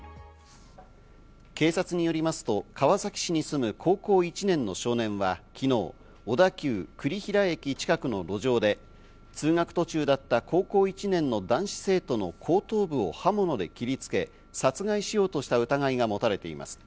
警察によりますと、川崎市に住む高校１年の少年は昨日、小田急・栗平駅近くの路上で通学途中だった高校１年の男子生徒の後頭部を刃物で切りつけ、殺害しようとした疑いが持たれています。